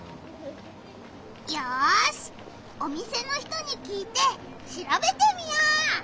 よしお店の人にきいてしらべてみよう！